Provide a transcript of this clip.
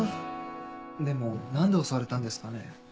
でも何で襲われたんですかね？